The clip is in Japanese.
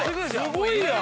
すごいやん！